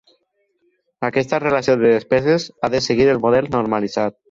Aquesta relació de despeses ha de seguir el model normalitzat.